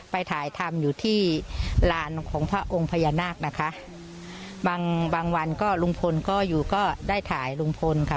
ไปถ่ายทำอยู่ที่ลานของพระองค์พญานาคนะคะบางบางวันก็ลุงพลก็อยู่ก็ได้ถ่ายลุงพลค่ะ